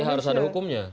berarti harus ada hukumnya